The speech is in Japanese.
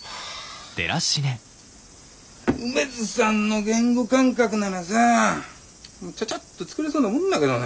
梅津さんの言語感覚ならさちゃちゃっと作れそうなもんだけどね。